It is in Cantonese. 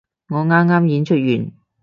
我啱啱演出完